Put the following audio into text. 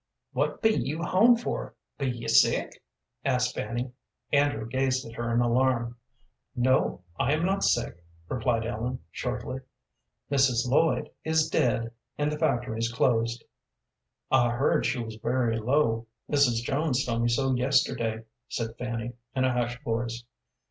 "What be you home for be you sick?" asked Fanny. Andrew gazed at her in alarm. "No, I am not sick," replied Ellen, shortly. "Mrs. Lloyd is dead, and the factory's closed." "I heard she was very low Mrs. Jones told me so yesterday," said Fanny, in a hushed voice.